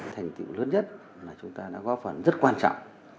thành tựu lớn nhất là chúng ta đã góp phần rất quan trọng